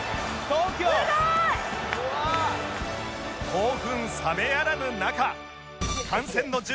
興奮冷めやらぬ中